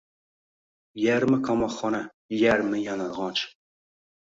Yarmi qamoqxona, Yarmi yalang’och